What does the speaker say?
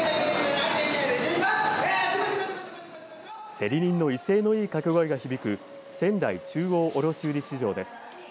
競り人の威勢のいい掛け声が響く仙台中央卸売市場です。